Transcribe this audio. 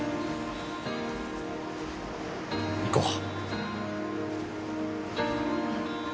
行こう。